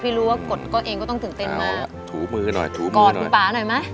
พี่รู้ว่ากดก็เองก็ต้องตื่นเต้นมาถูมือหน่อยถูมือหน่อยกอดพี่ป๊าหน่อยมั้ย